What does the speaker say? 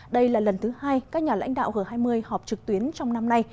đây là lần thứ hai các nhà lãnh đạo g hai mươi họp trực tuyến trong năm nay